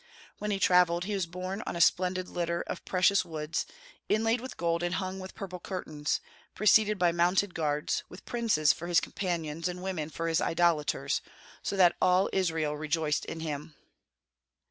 When he travelled, he was borne on a splendid litter of precious woods, inlaid with gold and hung with purple curtains, preceded by mounted guards, with princes for his companions, and women for his idolaters, so that all Israel rejoiced in him."